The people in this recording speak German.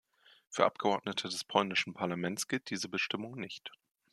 Für Abgeordnete des polnischen Parlaments gilt diese Bestimmung nicht.